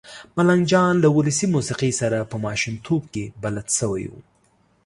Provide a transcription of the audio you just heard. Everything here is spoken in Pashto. ملنګ جان له ولسي موسېقۍ سره په ماشومتوب کې بلد شوی و.